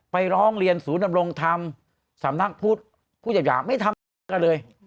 ไปร้องเรียนศูนย์ดำรงธรรมสำนักพูดพูดอับอย่างไม่ทำอะไรเลย